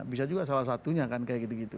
bisa juga salah satunya kan kayak gitu gitu